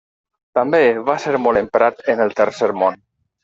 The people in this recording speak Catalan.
També va ser molt emprat en el Tercer Món.